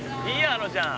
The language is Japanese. あのちゃん。